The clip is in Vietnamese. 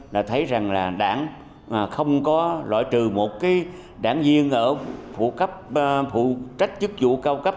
là thấy rằng là đảng không có lõi trừ một cái đảng viên ở phụ trách chức vụ cao cấp